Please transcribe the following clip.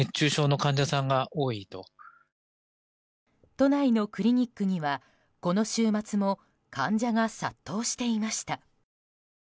都内のクリニックにはこの週末も患者が殺到していました。